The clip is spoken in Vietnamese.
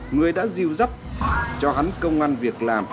người đã diêu dắt cho hắn công an việc làm